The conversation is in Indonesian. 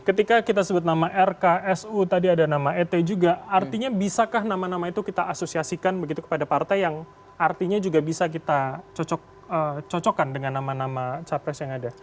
ketika kita sebut nama rk su tadi ada nama et juga artinya bisakah nama nama itu kita asosiasikan begitu kepada partai yang artinya juga bisa kita cocokkan dengan nama nama capres yang ada